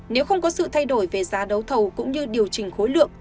nếu không có sự thay đổi về giá đấu thầu cũng như điều chỉnh khối lượng